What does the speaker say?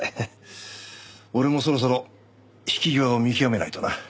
俺もそろそろ引き際を見極めないとな。